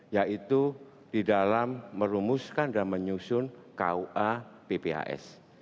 yaitu di dalam merumuskan dan menyusun kua pphs